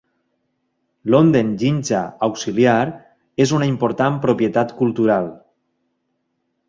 L'honden jinja auxiliar és una important propietat cultural.